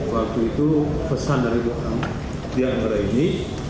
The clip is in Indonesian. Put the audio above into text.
waktu itu pesan dari ibu diang anggra ini